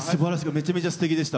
めちゃめちゃすてきでした。